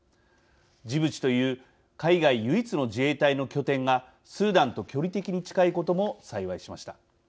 ジブチという海外唯一の自衛隊の拠点がスーダンと距離的に近いことも幸いしました。